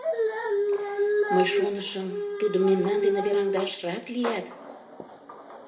— Мый шонышым, тудым мемнан дене вераҥдаш рат лият!